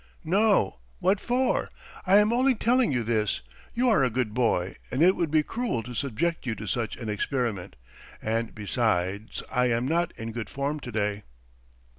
"'No, what for? I am only telling you this. You are a good boy and it would be cruel to subject you to such an experiment. And besides I am not in good form to day.'